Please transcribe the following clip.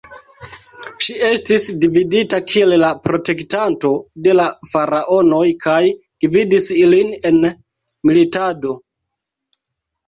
Ŝi estis vidita kiel la protektanto de la faraonoj kaj gvidis ilin en militado.